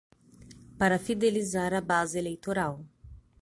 Para fidelizar a base eleitoral